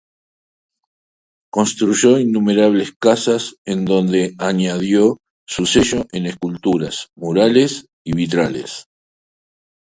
Construyó innumerables casas en donde añadió su sello en esculturas, murales y vitrales.